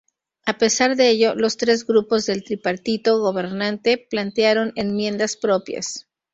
A pesar de ello, los tres grupos del tripartito gobernante plantearon enmiendas propias.